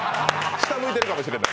下向いてるかもしれない。